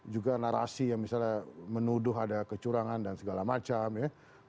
juga narasi yang misalnya menuduh ada kecurangan dan segala macam ya